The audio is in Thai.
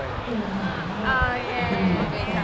อ่าเข้าไหร่